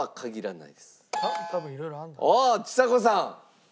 おおちさ子さん。